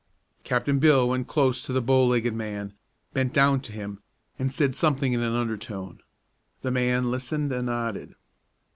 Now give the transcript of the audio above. Captain Bill went close to the bow legged man, bent down to him, and said something in an undertone. The man listened and nodded.